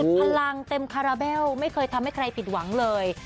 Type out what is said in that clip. พลังเต็มคาราเบลไม่เคยทำให้ใครผิดหวังเลย